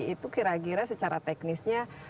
itu kira kira secara teknisnya